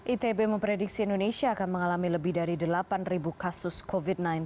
itb memprediksi indonesia akan mengalami lebih dari delapan kasus covid sembilan belas